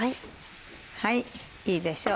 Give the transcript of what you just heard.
はいいいでしょう。